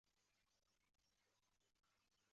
德钦石豆兰为兰科石豆兰属下的一个种。